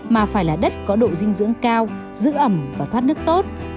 mà phải là đất có độ dinh dưỡng cao giữ ẩm và thoát nước tốt